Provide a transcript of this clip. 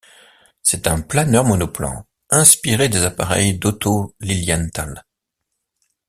C'est un planeur monoplan inspiré des appareils d'Otto Lilienthal.